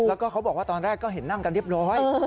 แล้วก็เขาบอกว่าตอนแรกก็เห็นนั่งกันเรียบร้อย